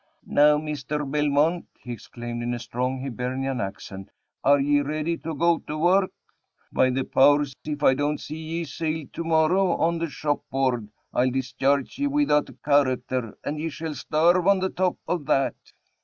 "Now, Misther Belmont," he exclaimed, in a strong Hibernian accent, "are ye ready to go to work? By the powers! if I don't see ye sailed to morrow on the shopboard, I'll discharge ye without a character and ye shall starve on the top of that."